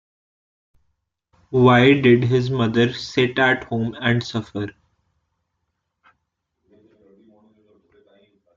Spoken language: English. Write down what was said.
Why did his mother sit at home and suffer?